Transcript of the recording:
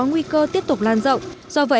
nguy cơ tiếp tục lan rộng cho đấy hoạt hảo nguyên sự